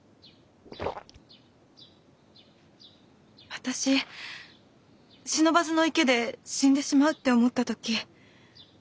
私不忍池で死んでしまうって思った時。